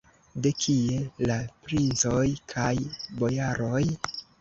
De kie la princoj kaj bojaroj?